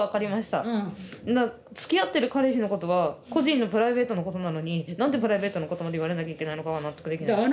つきあってる彼氏のことは個人のプライベートなことなのに何でプライベートなことまで言われなきゃいけないのかが納得できないです。